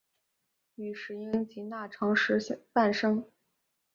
与石英及钠长石伴生。